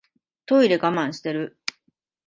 トイレ我慢してる